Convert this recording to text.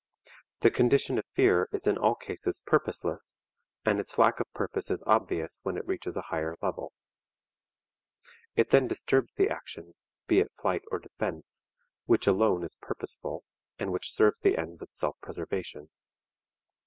The condition of fear is in all cases purposeless and its lack of purpose is obvious when it reaches a higher level. It then disturbs the action, be it flight or defense, which alone is purposeful, and which serves the ends of self preservation.